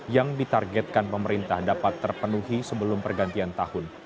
yang ditargetkan pemerintah dapat terpenuhi sebelum pergantian tahun